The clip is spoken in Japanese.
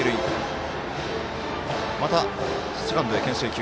またセカンドへ、けん制球。